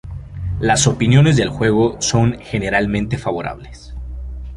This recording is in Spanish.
Las opiniones del juego son generalmente favorables.